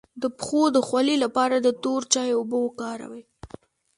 د پښو د خولې لپاره د تور چای اوبه وکاروئ